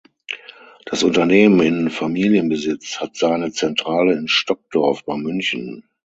Das Unternehmen in Familienbesitz hat seine Zentrale in Stockdorf bei München.